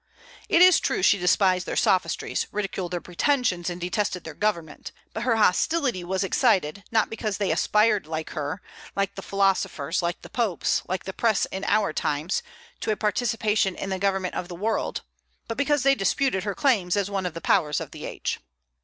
It is true she despised their sophistries, ridiculed their pretensions, and detested their government; but her hostility was excited, not because they aspired like her, like the philosophers, like the popes, like the press in our times, to a participation in the government of the world, but because they disputed her claims as one of the powers of the age.